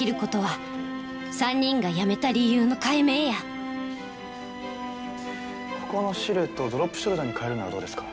ふふっ私にできることはここのシルエットをドロップショルダーに変えるのはどうですか？